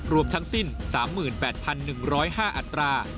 รวมทั้งสิ้น๓๘๑๐๕อัตรา